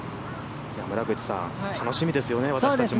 村口さん楽しみですね、私たちも。